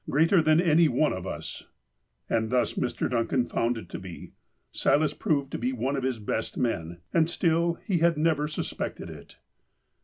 Greater than any one of us." And thus Mr. Duncan found it to be. Silas proved one of his best men, and still he had never suspected it.